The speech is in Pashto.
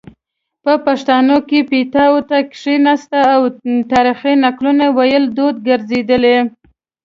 په پښتانو کې پیتاوي ته کیناستنه او تاریخي نقلونو ویل دود ګرځیدلی